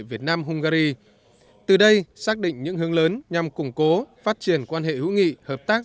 việt nam hungary từ đây xác định những hướng lớn nhằm củng cố phát triển quan hệ hữu nghị hợp tác